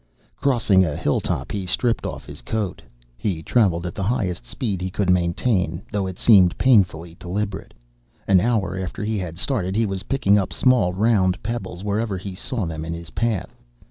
Crossing a hill top, he stripped off his coat. He traveled at the highest speed he could maintain, though it seemed painfully deliberate. An hour after he had started, he was picking up small round pebbles wherever he saw them in his path.